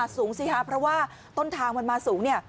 สูงสิเพราะว่าต้นทางอ่อนมาสูง